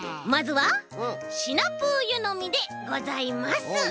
まずはシナプーゆのみでございます。